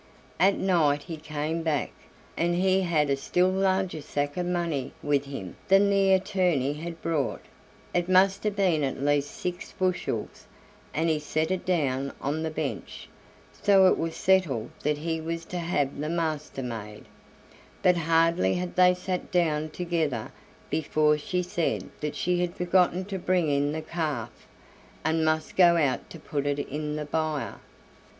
At night he came back, and he had a still larger sack of money with him than the attorney had brought; it must have been at least six bushels, and he set it down on the bench. So it was settled that he was to have the Master maid. But hardly had they sat down together before she said that she had forgotten to bring in the calf, and must go out to put it in the byre.